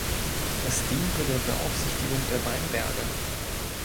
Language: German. Es diente der Beaufsichtigung der Weinberge.